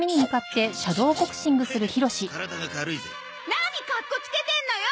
何かっこつけてんのよ